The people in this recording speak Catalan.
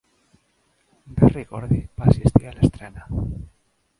Berry Gordy va assistir a l'estrena.